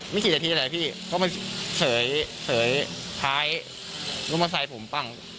ไม่คิดอธิษฐ์แหละพี่เบาไหว้เสยถาดลูมอสไซส์บัง